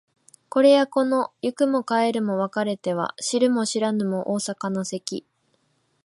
これやこの行くも帰るも別れては知るも知らぬも逢坂の関